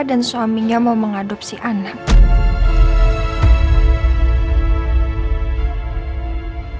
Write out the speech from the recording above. mas dia mirip banget sama anak kita